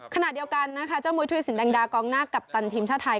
ขณะเดียวกันนะคะเจ้ามุยธุรสินแดงดากองหน้ากัปตันทีมชาติไทย